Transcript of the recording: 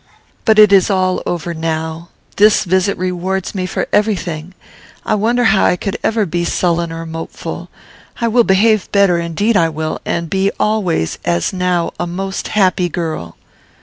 "But it is all over now; this visit rewards me for every thing. I wonder how I could ever be sullen or mopeful. I will behave better, indeed I will, and be always, as now, a most happy girl."